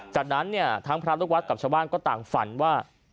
จากนั้นเนี่ยทั้งพระลูกวัดกับชาวบ้านก็ต่างฝันว่า